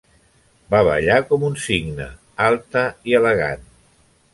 Va ballar com un cigne, alta i elegant.